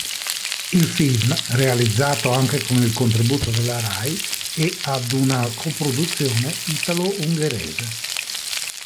Il film, realizzato anche con il contributo della Rai, e ad una coproduzione italo-ungherese.